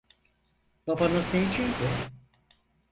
Babanız neciydi?